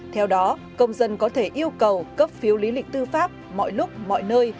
theo đó công dân có thể yêu cầu cấp phiếu lý lịch tư pháp mọi lúc mọi nơi